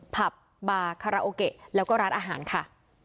ผับบาคาราโอเกะแล้วก็ร้านอาหารค่ะ